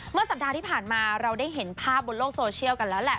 สัปดาห์ที่ผ่านมาเราได้เห็นภาพบนโลกโซเชียลกันแล้วแหละ